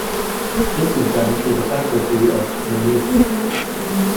This is done through the faculty of mimesis.